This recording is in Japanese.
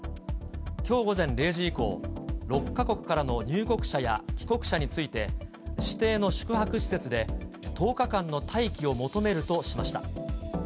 きょう午前０時以降、６か国からの入国者や帰国者について、指定の宿泊施設で１０日間の待機を求めるとしました。